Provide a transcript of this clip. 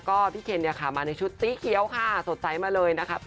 ก็พี่เคนมาในชุดตี้เคี้ยวค่ะสดใจมาเลยนะคะ